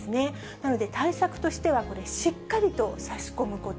なので、対策としてはこれ、しっかりと差し込むこと。